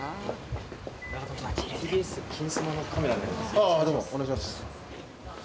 ああ、どうもお願いします。